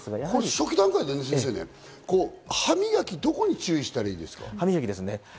初期段階で先生、歯磨きはどこに注意したらいいですか？